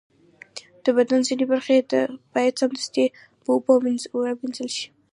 د بدن ځینې برخې باید سمدستي په اوبو ومینځل شي.